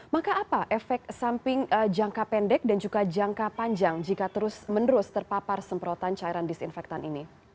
maka apa efek samping jangka pendek dan juga jangka panjang jika terus menerus terpapar semprotan cairan disinfektan ini